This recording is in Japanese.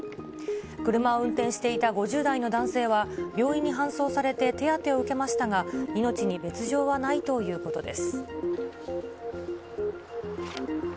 車を運転していた５０代の男性は、病院に搬送されて手当てを受けましたが、命に別状はないということです。